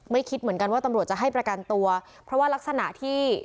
คิดเหมือนกันว่าตำรวจจะให้ประกันตัวเพราะว่ารักษณะที่